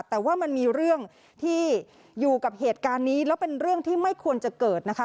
แต่ว่ามันมีเรื่องที่อยู่กับเหตุการณ์นี้แล้วเป็นเรื่องที่ไม่ควรจะเกิดนะคะ